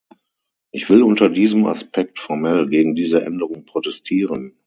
Ich will unter diesem Aspekt formell gegen diese Änderung protestieren.